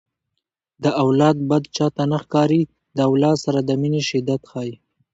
د اولاد بد چاته نه ښکاري د اولاد سره د مینې شدت ښيي